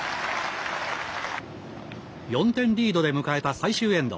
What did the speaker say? ４点リードで迎えた最終エンド。